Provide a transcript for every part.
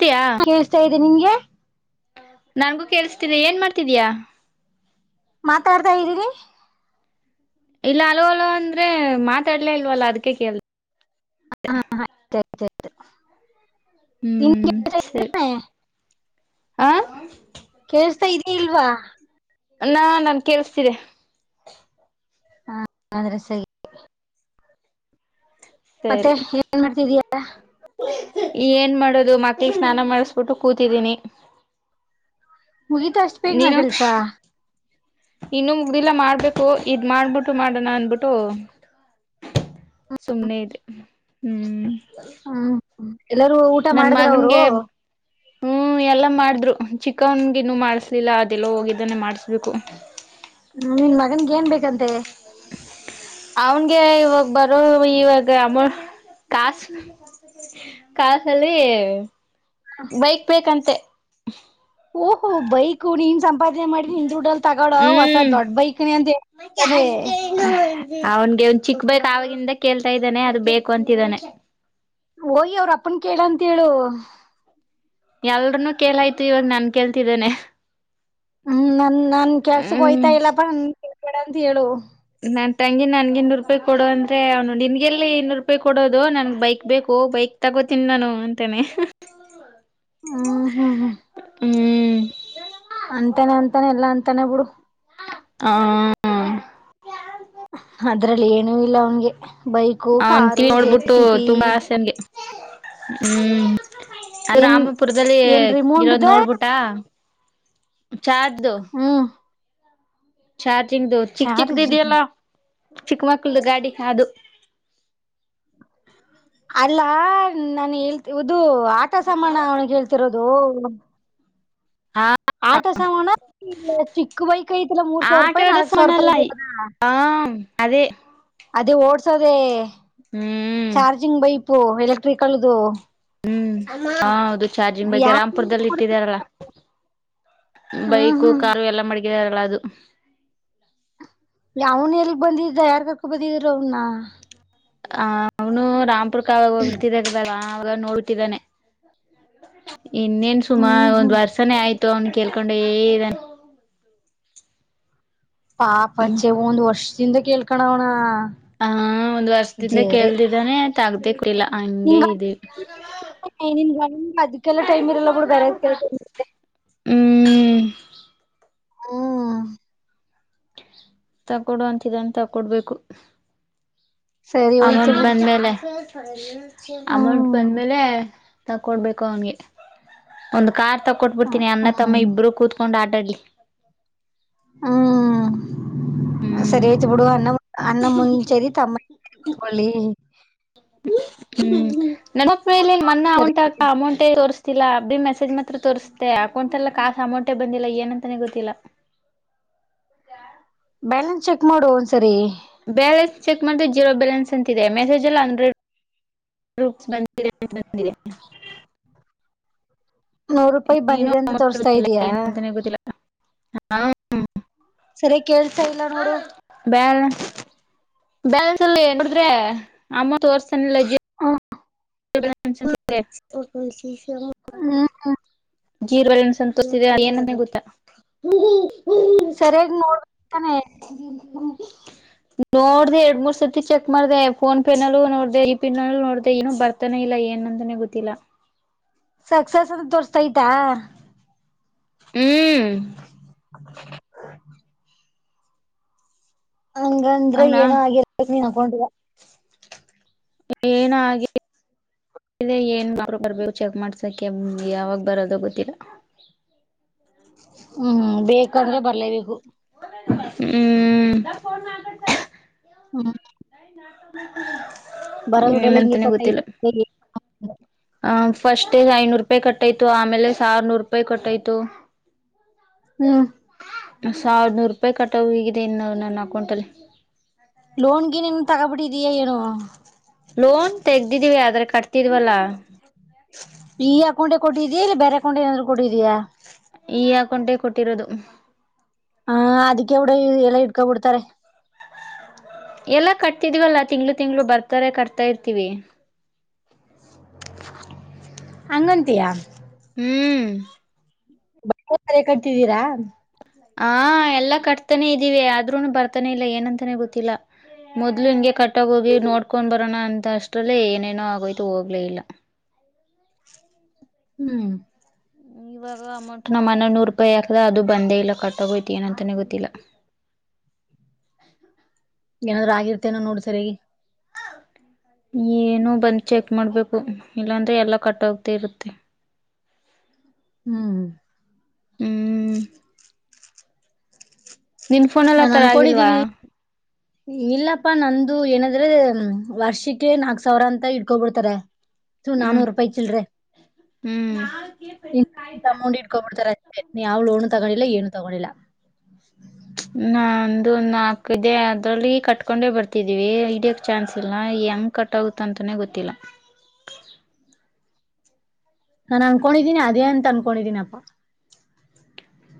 ತಿಯಾ [inaudible] ನಿನ್ಗೆ ನನ್ಗೂ ಕೇಳಿಸ್ತಿದೆ ಏನ್ ಮಾಡ್ತಿದೀಯ ಮಾತಾಡ್ತಾ ಇದೀರಿ ಇಲ್ಲ ಅಲಲ ಅಂದ್ರೆ ಮಾತಾಡ್ಲ ಇಲ್ವಲ್ಲ ಅದಕ ಕೇಳ ಹ ಹ ಆಯ್ ಆಯ್ತ ಆಯ್ತು ಹ್ಮ್ ಸರಿ ಹ ಕೇಳ್ಸ್ತಾ ಇದೆ ಇಲ್ವಾ ನಾ ನನ್ ಕೇಳ್ಸತಿದೆ ಆದ್ರೆ ಸರಿ ಮತ್ತೆ ಸರಿ ಏನ್ ಮಾಡ್ತಿದಯ ಏನ್ ಮಾಡೋದು ಮಕ್ಳಿಗೆ ಸ್ನಾನ ಮಾಡಿಸಬಿಟ್ಟು ಕೂತಿದೀನಿ ಮುಗೀಿತ ಇಷ್ಟು ಬೇಗನೆ ಕೆಲ್ಸ ಇನ್ನು ಮುಗ್ದಿಲ್ಲ ಮಾಡ್ಬೇಕು ಇದ್ ಮಾಡ್ಬಿಟ್ಟು ಮಾಡಣ ಅಂದ್ಬಿಟ್ಟೂ. ಸುಮ್ನೆರಿ. ಹ್ಮ್. ಎಲ್ಲಾರೂ ಊಟ ನನ್ ಮಾಡದ್ರ ಅವರು. ಮಗನ್ಗೆ ಹ್ಮ್ ಎಲ್ಲ ಮಾಡ್ದ್ರು. ಚಿಕನ್ಗಿನ್ನು ಮಾಡಸ್ಲಿಲ್ಲ ಅದೆಲ್ಲೊ ಹೋಗಿದ್ದಾನೆ ಮಾಡ್ಸ್ ಬೇಕು. ಹ್ಮ್, ನಿನ್ ಮಗನಿಗೆ ಹೇಳತವನೆ ಏನ್ ಟಕ್ ಬೇಕಂತೆ ಟಕ್ ಅವನ್ಗೆ ಇವಾಗ ಬರೋವ್ ಇವಾಗ ಅಮೊಹ್ ಕಾಸ್. ಕಾಸಲ್ಲೀ. ಬೈಕ್ ಬೇಕಂತೆ. ಹ್ಮ್. ಓ ಹೊ ಬೈ ಕು ನಿನ್ಸಮ್ ಸಂಪಾದನೆ ಮಾಡ್ವಿ ನಿನ್ನ ದುಡ್ಡಲ್ ತಗೋಳ ಹೊಸ ಹ್ಮ್ ದೊಡ್ಡ ಬೈಕ್ನೆ ಅಂದೆ. ತದೆ. ಅವ್ನ್ಗೆ ಅವನ್ ಚಿಕ್ಕ ಬೈಕ್ ಅವಾಗಿಂದ ಕೇಲ್ತಾ ಇದ್ದಾನೆ ಅದು ಬೇಕು ಅಂತಿದ್ದಾನೆ. ಹೋಗಿ ಅವ್ರ್ ಅಪ್ಪನ್ ಕೇಳಂತ ಹೇಳು. ಎಲ್ಲರನ್ನು ಕೇಲಾಯ್ತು ಇವಾಗ ನನ್ ಕೇಳತಿದಾನೆ ಹ್ಮ್ ನನ್ ನನ್ ಕೆಲ್ಸಕ್ ಹ್ಮ್ ಹೋಯ್ತಾ ಇಲ್ಲಪ್ಪ. ಹೇಳ್ಬೇಡ ಅಂತ ಹೇಳು. ನನ್ ತಂಗಿ ನನ್ಗೆ ಇನ್ನೂರು ರೂಪಾಯಿ ಕೊಡೋ ಅಂದ್ರೆ ಅವ್ನು ನಿನ್ಗೆಲ್ಲಿ ಇನ್ರೂಪಾಯಿ ಕೊಡೋದು ನನ್ಗ್ ಬೈಕ್ ಬೇಕು ಬೈಕ್ ತಗೋತೀನ್ ನಾನು ಅಂತನೆ. ಹಾ ಹ ಹ. ಹ್ಮ್. ಅಂತಾನೆ ಅಂತಾನೆ ಎಲ್ಲಾ ಅಂತ್ ತನೆ ಬುಡು. ಹಾ. ಅದ್ರಲ್ಲಿ ಏನೂ ಇಲ್ಲ ಅವನ್ಗೆ ಬೈಕು ಅವನ್ ಕಾರು ಟಿವಿ ನೋಡ್ಬಿಟ್ಟು ಜೆಸಿಪಿ. ತುಂಬಾ ಆಸೆನ್ಗೆ ಹ್ಮ್. ಆ ಏನ್ ರಾಮಪುರದಲ್ಲಿ ಏನ್ ಇರೋದ್ ರಿಮೋಂಡ್ದ ನೋಡ್ಬುಟಾ. ಚಾದ್ದು. ಹ್ಮ್ ಚಾನ್ ಚಿಂಗ್ದು ಚಿಕ್ ಚಾರ್ಜ್ ಚಿಕ್ದಿದ್ಯಲ್ಲಾ. ಚಿಕ್ಕಮಕ್ಕಳ್ದ್ ಗಾಡಿ ಹಾದು. ಅಲ್ಲಾ ನಾನ್ ಹೇಳ್ತಿ ಉದು ಆಟ ಸಮಾಣ ಅವನಿಗ್ ಹೇಳ್ತಿರೋದು. ಹಾ ಆಟೋ ಸಾಮಾನ ಚಿಕ್ಕ ಬೈಕ ಐತಲ್ಲಾ ಮೂರ್ ಸಾವಿರ ಆಟ ರೂಪಾಯಿ ಆಡ ನಾಲ್ಕು ಸಾವಿರ ಸಮಾಣಲ್ಲ ರೂಪಾಯಿ ಇದ ಅದಾ ಹಾ ಅದೇ ಅದೇ ಓಡ್ಸೋದೆೇ ಹ್ಮ್ ಪ್ಪ ಎಲೆಕ್ಟ್ರಿಕಲ್ದು ಹ್ಮ್ ಆ ಅದು ಚಾರ್ಜಿಂಗ್ ಬಗ್ಗೆ ಯಾ ರಾಮ್ಪುರದಲ್ಲಿ ಇಟ್ಟಿದಾರಲ್ಲ ಹ್ಮ್ ಬೈಕು ಹ್ಮ್ ಕಾರು ಎಲ್ಲ ಮಡಗಿದಾರಲ್ಲ ಅದು ಯಾವನ್ ಎಲ್ಗ್ ಬಂದಿದ್ದ ಯಾರ್ ಕಕ ಬಂದಿದ್ರು ಅವನ್ನ ಆ ಅವನು ರಾಮ್ ಪುರ್ಕಾಗ ಹೋಗ ತಿರದಾಗ ಅವಾಗ ನೋಡ್ಟ್ಟಿದ್ದಾನೆ ಇನ್ನೇನ್ ಹ್ಮ್ ಸುಮಾರ ಹ್ಮ್ ಒಂದ್ ವರ್ಷನೇ ಆಯ್ತು ಅವ್ನು ಕೇಳ್ಕೊಂಡ್ದಾನ ಪಾಪ ಚೆ ಒಂದು ವರ್ಷ ತಿಂದ ಕೇಳ್ಕ ಅವಣ ಹಾ ಒಂದ್ ವರ್ಷದಿಂದ ಕೇಳ್ದಿದ್ದಾನೆ ಆಯ್ತ್ ಆಾಗದೆ ಅದಕ್ಕೆಲ್ಲ ಟೈಮ್ ಇರಲ್ಲ ಬಿಡ ಬೇರೆ ಅದ್ಲ್ಲಟ್ ಇ ಹ್ಮ್ ಹ್ಮ ತಗೊಡುವ ಅಂತಿದಾನ ತಗೊಡ್ಬೇಕು ಸರಿ ಅವಂ ಹೋಯ್ತು ಬಿಡು ಬಂದೇಲೆ ಅಮೌಂಟ್ ಹ್ಮ್ ಬಂದ್ಮೇಲೆ ತಕೊಡ್ಬೇಕು ಅವಗೆ ಒಂದು ಕಾರ್ ತಗೊಟ್ಬ ಹ್ಮ್ ಬಿಡ್ತೀನಿ ಅ ತಮ್ಮ ಹ್ಮ್ ಇಬ್ರು ಕತ್ಕೊಂಡು ಆ ಅಲ್ಲಿ ಹ್ಮ ಹ್ಮ್ ಸರಿ ಆಯ್ತು ಬಿಡು ಅನ್ನ ಅನ್ನ ಮುಂಚೆರಿ ತಮ್ಮ ಕತ್ಕೊಳ್ಳಿ [inaudible] ಹ್ಮ್ ನನ್ನ ಮ ಸರಿ ಅಮೌಂಟ್ ಹಾ ಅಮೌಂ ಗೊತ್ತಿಲ್ಲ ಅ್ರ ಮೆಸೇಜ್ ಮಾತ್ರ ತೋರಿಸಸ್ುತ್ತೆ ಅಕೌಂಟ್ ಎಲ್ಲ ಕಾಸ ಅಮೌಂಟೇ ಬಂದಿಲ್ಲ ಏನಂತಾನೆ ಗೊತ್ತಿಲ್ಲ ಬ್ಯಾಲೆನ್ಸ್ ಚೆಕ್ ಮಾಡು ಒಂದ್ಸರಿ ಬ್ಯಾಲೆನ್ಸ್ ಚೆಕ್ ಮಾಡ್ರೆ ಜೀರೋ ಬ್ಯಾಲೆನ್ಸ್ ಅಂತಿದೆ ಮೆಸೇಜ್ ಎಲ್ಲ ಅಂಡ್ರಡ್ ರೂಪ್ಸ್ ಬ ಬ ನೂರು ರೂಪಾಯಿ ಬಂದಿದೆ ಅಂತ ಅಮೌಂಟ್ ತೋರ್ಸ್ತಾ ಇದಯಾ ಹಾ ಸರಿ ಕೇಳ್ತಾ ಇಲ್ಲ ನೋಡು ಬ್ಯಾಲ ಬ್ಯಾಲೆನ್ಸ್ ಅಲ್ಲಿ ನೋಡಿದ್ರೆ ಅಮೌಂಟ್ ತರ್ಸನಿಲ್ಲ ಹ [unintelligible] ಅ ಹ್ಮ್ ಹ್ಮ್ ಜೀರ್ ಸಂತೋಷ ಇ ಏನ ಗೊತ್ತಾ ಸರಿ್ಯಯಾಗಿ ನೋಡ ಹ ನೋಡ್ದ ಎರಡ್ ಮೂರ್ ಸರ್ತಿ ಚೆಕ್ ಮಾಡ್ದ ಫೋನ್ ಪೇ ನಲ್ಲೂ ನೋಡ್ದ ಈ ಪಿನ್ಲ್ಲೂ ನೋಡ್ದ ಏನು ಬರ್ತಾನೆ ಇಲ್ಲ ಏನ್ ಅಂತಾನೆ ಗೊತ್ತಿಲ್ಲ ಸಕ್ಸಸ್ ಅಂತ ತೋರ್ತೈತಾ ಹ್ಮ್ [inaudible] ಹಂಗಂದ್ರ ಅವನಾ ಏನ ಆಗಿ ನೀನ್ ಹಗೌೊಂಡರ ಏನ ಆ ಏನ್ ಬರ್ಬೇಕು ಚೆಕ್ ಮಾಡ್ಸಕ ಯಾವಾಗ ಬರದು ಗೊತ್ತಿಲ್ಲ ಹ್ಮ್ ಬೇಕಾದ್ರೆ ಬರ್ಲೇಬೇಕು ಹ್ಮ್ ಹ್ಮ ಹ್ಮ ಬರೋದಡಲ್ಲ ಹಿಂಗಗೆ ಕೊಟ್ಟೈತಿ ಹ ಆ ಫಸ್ಟ್ೇ ಐನೂರು ರೂಪಾಯಿ ಕಟ್ಟಾಯ್ತು ಆಮೇಲೆ ಸಾವಿನೂರು ರೂಪಾಯಿ ಕಟ್ಟಾಯ್ತು ಹ್ಮ ಸಾವಿರನೂರು ರೂಪಾಯಿ ಕಟ್ಟ ಹಗಿದೆ ಇನ್ನ ನನ್ನ ಅಕೌಂಟ ಅಲ್ಲಿ ಲೋನ್ಗೆ ನೀನ್ ತಗಬಿಟ್ಟಿದಯಾ ಏನೋ ಲೋನ್ ತೆಗ್ದಿದ್ದೀವಿ ಆಧಾರ್ ಕಾರ್ಡ್ತ ವಲ್ಲ ಈ ಅಕೌಂಟೆ ಕೊಟ್ಟಿದ್ಯಾಾ ಇಲ್ಲ ಬೇರೆ ಅಕೌಂಟೆ ಏನಾದ್ರು ಕೊಟ್ಟಿದಯಾ ಈ ಹಾಕಟೆ ಕೊಟ್ಟಿರೋದು ಹ ಅದಕ್ಕೆ ಕಡ ಎಲ್ಲ ಇಡ್ಕೊಬ ಬಿಡ್ತಾರೆ ಎಲ್ಲಾ ಕಟ್ತಿದ್ವಲ್ಲಾ ತಿಂಗ್ಳ ತಿಂಗ್ಳ ಬರ್ತಾರೆ ಕಟ್ತಾ ಇರ್ತಿೀವಿ ಹಂಗಂತಯ ಹ್ಮ್ ಬ ಕಟ್ತಿದ್ದೀರಾ ಹಾ ಎಲ್ಲಾ ಕಟ್ತಾನೇ ಇದೀವಿ ಆದ್ರೂನು ಬರ್ತಾನೆ ಇಲ್ಲ ಏನಂತಾನೆ ಗೊತ್ತಿಲ್ಲ ಮೊದ್ಲು ಹಿಂಗೆ ಕಟ್ಟಾಗ ಹೋಗಿ ನೋಡ್ಕೊಂಡ್ ಬರೋಣ ಅಂತ ಅಷ್ಟ್ರಲ್ಲೇ ಏನೇನೋ ಆಗೋಯ್ತು ಹೋಗ್ಲೇ ಇಲ್ಲ ಹ್ಮ್ ಇವಾಗ ಅಮೌಂಟ್ ನಮ್ಮನ ನೂರು ರೂಪಾಯಿ ಯಾಕದ ಅದು ಬಂದೇ ಇಲ್ಲ ಕಟ್ಟಗೋಯ್ತಿು ಏನಂತಾನೆ ಗೊತ್ತಿಲ್ಲ ಏನಾದ್ೂ ಆಗಿರ್ತೇನೋ ನೋಡ್ ಸರಿ ಏನು ಬಂದ್ ಚೆಕ್ ಮಾಡ್ಬೇಕು ಇಲ್ಲಾಂದ್ರೆ ಎಲ್ಲಾ ಕಟ್ೋಗತ ಇರುತ್ತೆ ಹ್ಮ್ ಹ್ಮ್ ನಿನ್ ಫೋನ್ ಎಲ್ಲ ನಾನ್ ಆತರ ಆಗಿಲ್ವಾ ಅನ್ಕೊಂಡಿದ್ದೀನಿ ಇಲ್ಲಪ್ಪಾ ನಂದು ಏನಂದ್ರೆ ವರ್ಷಕ್ಕೆ ನಾಕ್ ಸಾವಿರ ಅಂತ ಇಡ್ಕೊಬಿಡ್ತಾರೆ ಹ ಹ್ಮ್ ನಾನೂರು ರೂಪಾಯಿ ಇ ಚಿಲ್ರ ಹ್ಮ್ ಇಂತ ಅಮೌಂಟ್ ಇಡ್ಕೊಬಿಡ್ತಾರೆ ಅಷ್ಟೆ ನೀ ಯಾವ್ ಲೋನ್ ತಗೊಂಡಿ ಲ್ಲ ಏನು ತೊಗೊಂಡಿಲ್ಲ. ನಂದು ನಾಕ್ ಇದೆ ಅದ್ರಲ್ಲಿ ಕಟ್ಕೊಂಡೆ ಬರ್ತಿದ್ದೀವಿ ಹಡ್ಯಕ್ ಚಾನ್ಸ್ ಇಲ್ಲ ಹೆಂಗ ಕಟ್ಗುತ್ತಂತಾನೇ ಗೊತ್ತಿಲ್ಲ. ನಾನನ್ ಅನ್ಕೊಂಡಿದ್ದೀನಿ ಅದೇ ಅಂತ ಅನ್ಕೊಂಡಿದೀನಪ್ಪ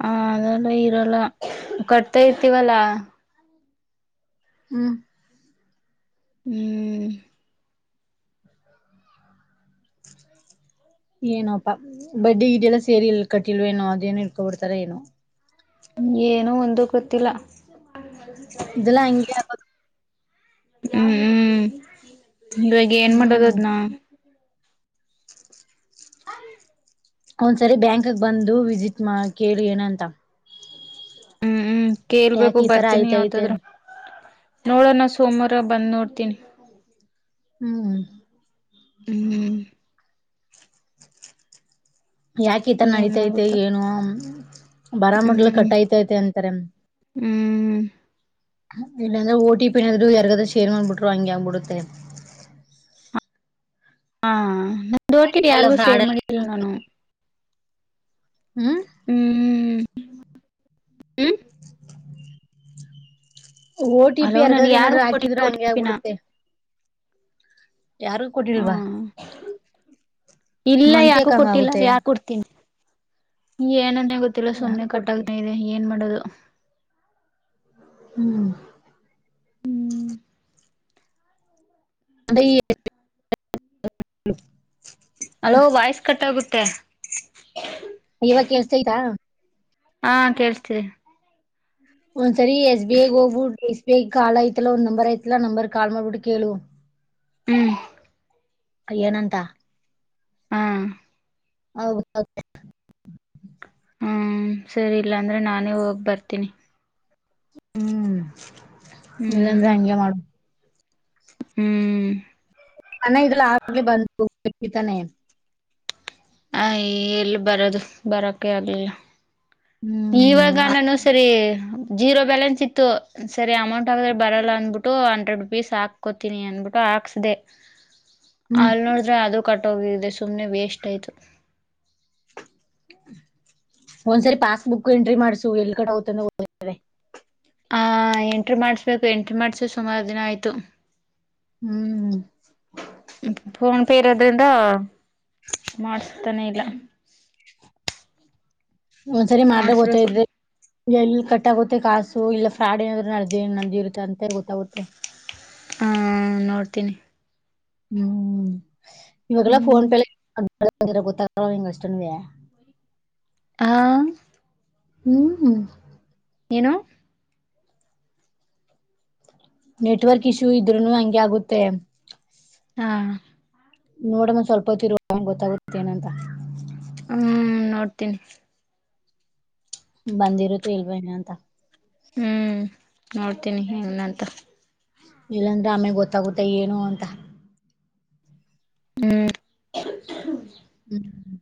ಹ ಅದಲ್ಲ ಇರಲ್ಲ ಕಟ್ತಾ ಇರ್ತೀವಲ್ಲಾ ಹ್ಮ್ ಹ್ಮ್ ಏನೋಪ್ಪಾ ಬಡ್ಡಿ ಇದದೆಲ್ಲ ಸೇರಿಲ್ ಕಟ್ಟಿಲ್ವ ಏನೋ ಅದೇನು ಇಡ್ಕೊಬಿಡ್ತಾರ ಏನೋ ಏನುೂ ಒಂದು ಗೊತ್ತಿಲ್ಲ ಇದೆಲ್ಲಾ ಹಂಗೆ ಹ್ಮ್ ಹ್ಮ್ ತಂದ್ರಾಗಿ ಏನ್ ಮಾಡೋದ ಹ್ಮ್ ಅದ್ನ ಒಂದ್ಸರಿ ಬ್ಯಾಂಕ್ಕ್ ಬಂದು ವಿಸಿಟ್ ಕೇಳಿ ಏನಂತ ಹ್ಮ್ ಹ್ಮ್ ಕೇ ಇರ್ಬೇಕು ಯಾಕೆ ಈ ತರ ಬರ್ತೀನಿ ಆಯ್ತೈತೆ ಯಾವತಾದ್ರ ನೋಡೋಣ ಸೋಮವಾರ ಬಂದ್ ನೋಡ್ತೀನಿ ಹ್ಮ್ ಹ್ಮ್ ಯಾಕ ಈತರ ನಡತೈತೆ ಏನಾಗುತ್ತೋ ಏನು ಬರಾ ಮಡ್ಲು ಹ್ಮ್ ಕಟ್ ಆಐತ ೈತೆ ಅಂತಾರೆ ಹ್ಮ್ ಇಲ್ಲಾಂದ್ರೆ ಓಟಿ ಪಿ ಏಾದ್ರು ಯಾರಿಗಾದ್ರೂ ಶೇರ್ ಮಾಡ್ಬಿಟ್ರು ಹಂಗಗೆ ಹಂಗಬಿಡುತ್ತೆ ಹಾ ನ ತೋಟಿ ಯಾರಗೂ ಸೇರ ಫ್ರಾಡ್ ಅಲ್ಲ ಮುಡಿಲ್ಲ ನಾನು ಹ್ಮ ಹ್ಮ ಓಟಿ ಪಿ ಹಲೋ ನನ್ ಅರ್ಗದ್ರೆ ಯಾರು ಏನಾದ್ರು ಕೊಟ್ಟಿಲ್ಲ ಹಾಕಿದ್ರೆ ಒ ಟಿ ಹಂಗೆ ಪಿನ ಆಗ್ಬಿಡುತ್ತೆ ಯಾರು ಹ್ಮ ಕೊಟ್ಟಿಲ್ವಾ ಇಲ್ಲ ಯಾಕು ಮಂತ್ಯಕ್ ಹಂಗ ಕೊಟ್ಟಿಲ್ಲ ಆಗುತ್ತೆ ಯಾಕ ಕೊಡ್ತೀನಿ ಏನಂತ ಗೊತ್ತಿಲ್ಲ ಹ್ಮ ಯಾರು ಸುಮ್ನೆ ಕೊಡ್ತಿ ಕಟ್ಗ ಇದೆ ಏನ್ ಮಾಡೋದು ಹ್ಮ ಹ್ಮ್ ಹ್ಮ್ ಅದ ಅಲೋ ವಾಯ್ಸ್ ಕಟ್ಟಾಗುತ್ತೆ ತ್ತೆ ಇವಾಗ ಕೆಳಸ್ತೈತ ಹಾ ಕೇಳ್ಸ್ತೀರಿ ಒಂದ್ಸರಿ ಎಸ್ ಬಿ ಐ ಗ್ ಹೋಗ್ಬಿಟ್ಟು ಎಸ್ ಬಿ ಐ ಕಾರ್ಡ್ ಐತಲ್ಲ ನಂಬರ್ ಐತಲ್ಲಾ ನಂಬರ್ ಕಾಲ್ ಮಾಡ್ಬಿಟ್ಟು ಕೇಳು ಹ್ಮ್ ಏನಂತ ಹಾ ಹೌ ಹ್ಮ ಸರಿ ಇಲ್ಲ ಅಂದ್ರೆ ನಾನೇ ಹೋಗ್ ಬರ್ತೀನಿ ಹ್ಮ್ ಹ್ಮ್ ಇಲ್ಲಂದ್ರೆ ಹಂಗೆ ಮಾಡು. ಹ್ಮ್ ಅನ್ನ ಇದ್ಲಗೆ ಬಂದು [unintelligible] ತಾನೆ. ಹ ಎಲ್ ಬರೊದು ಬರೋಕೆ ಆಗ್ಲಿಲ್ಲ. ಇವಾಗ ಹ್ಮ್ ನಾನು ಸರಿ. ಜೀರೋ ಬ್ಯಾಲೆನ್ಸ್ ಇತ್ತು ಸರಿ ಅಮೌಂಟ್ ಹಾಕಿದ್ರೆ ಬರೋಲ್ಲ ಅಂದ್ಬಿಟ್ಟು ಹಂಡ್ರೆಡ್ ರುಪೀಸ್ ಹಾಕೋತೀನಿ ಅಂದ್ಬುಟ್ಟು ಹಾಕ್ಸದೆ. ಹ್ಮ್ ಅಲ್ ನೋಡುದ್ರೆ ಅದು. ಕಟ್ಟೋಗಿದೆ ಸುಮ್ನೆ ವೇಸ್ಟ್ ಆಯ್ತು. ಒಂದ್ಸರಿ ಪಾಸ್ಬುಕ್ ಎಂಟ್ರಿ ಮಾಡ್ಸು ಎಲ್ ಕಟ್ ಆಗುತ್ತೆ ಅಂತ್ ಗೊತಯ್ತೆ. ಹ ಎಂಟ್ರಿ ಮಾಡ್ಸ್ಬೇಕು ಎಂಟ್ರಿ ಮಾಡ್ಸ ಸುಮಾರ್ ದಿನ ಆಯ್ತು. ಹ್ಮ್ ಫೋನ್ ಪೇ ಇರೋದ್ರಿಂದ ಮಾಡುಸ್ತಾನೆ ಇಲ್ಲ. ಒಂದ್ಸರಿ ಮಾಡ್ದೆ ಮಾಡಿಸ್ಬೇಕು ಗೊತ್ತತ್ದೆ ಎಲ್ಲಿ ಕಟಾಗುತ್ ಮತ್ತೆ ಕಾಸು ಇಲ್ಲ ಫ್ರಾಡ್ ಏನಾದ್ರು ನಡ್ದೆ ನಡ್ದಿರುತ್ತ ಅಂತೆಳ್ ಗೊತ್ತಾಗುತ್ತೆ. ಹಾ ನೋಡ್ತೀನಿ. ಹ್ಮ್ ಇವಾಗೆಲ್ಲ ಫೋನ್ ಹ್ಞೂ ಪೇಲೆ [unintelligible] ಗೊತ್ತಗಲ್ವ ಅಷ್ಟುನುವೆ. ಹ ಹ್ಮ ಹ್ಮ್. ಏನು. ನೆಟ್ವರ್ಕ್ ಇಶ್ಯೂ ಇದ್ರುನು ಹಂಗೆ ಆಗುತ್ತೆ. ಹಾಂ ನೋಡ್ಮಂದ್ ಸ್ವಲ್ಪ ಹೊತ್ ಇರು [unintelligible] ಗೊತ್ತಾಗುತ್ತೆ ಏನಂತ. ಹ್ಮ ನೋಡ್ತೀನಿ. ಬಂದಿರುತೊ ಇಲ್ವೊ ಏನು ಅಂತ. ಹ್ಮ್ ನೋಡ್ತೀನಿ ಏನಂತ. ಇಲ್ಲಾಂದ್ರೆ ಆಮೇಲ್ ಗೊತ್ತಾಗುತ್ತೆ ಏನು ಅಂತ. ಹ್ಮ್ ಹ್ಮ್. ಹ್ಮ್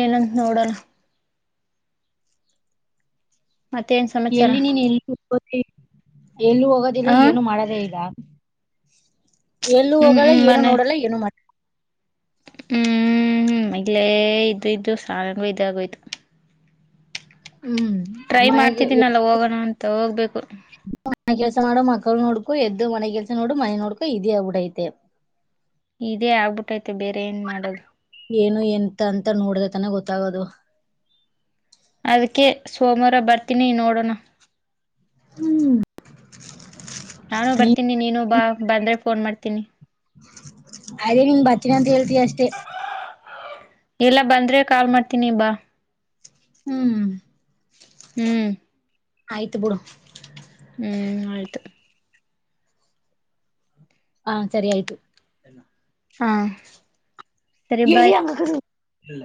ಎಲನ್ ನೋಡಲ್ಲ. ಮತ್ತೆ ಏನ್ ಸಮಚರ. O E. ಎಲ್ಲೂ ಹೋಗೋದಿಲ್ಲ ಏನು ಮಾಡೋದೇ ಇಲ್ಲ. [inaudible] ಎಲ್ಲು ಹ್ಞೂ ಹೋಗಲ್ಲ ಏನು ನೋಡಲ್ಲ ಏನು ಮಾಡಲ್. ಹ್ಮ್ ಹ್ಮ್ ಮಗ್ಲೆ ಇದ್ದ ಇದ್ದು ಸಂಗೂ ಇದೆ ಅಗೋಯ್ತು. ಹ್ಮ್ ಟ್ರೈ ಮನೆಗೆ ಮಾಡ್ತಿದ್ದೀನಲ್ಲ ಹೋಗೋಣ ಅಂತ ಹೋಗ್ಬೇಕು. ಮನೆ ಕೆಲ್ಸ ಮಾಡು ಮಕ್ಳ ನೋಡ್ಕೊ ಎದ್ದು ಮನೆ ಕೆಲ್ಸ ನೋಡು ಮನೆ ನೋಡ್ಕೋ ಇದೇ ಆಗ್ಬುಡೈತೆ. ಇದೇ ಆಗ್ಬುಟ್ಟೈತೆ ಬೇರೆ ಏನ್ ಮಾಡೋದು. ಏನು ಎಂತ ಅಂತ ನೋಡ್ದೆ ತನೆ ಗೊತ್ತಾಗೋದು. ಅದುಕ್ಕೆ ಸೋಮ್ವಾರ ಬರ್ತೀನಿ ನೋಡೋಣ. ಹ್ಮ್ ನಾನು ಬರ್ತೀನಿ ನೀನು ಬಾ ಬಂದ್ರೆ ಫೋನ್ ಮಾಡ್ತೀನಿ ಅದೇ ನೀನ್ ಬರ್ತೀನಿ ಅಂತ ಹೇಳ್ತೀಯ ಅಷ್ಟೇ ಇಲ್ಲ ಬಂದ್ರೆ ಕಾಲ್ ಮಾಡ್ತೀನಿ ಬಾ ಹ್ಮ್ ಹ್ಮ್ ಆಯ್ತು ಬಿಡು ಹ್ಮ್ ಆಯ್ತು ಹಾ ಸರಿ ಆಯ್ತು ಹಾ ಸರಿ ಬಾಯ್ [unintelligible] ಇಲ್ಲ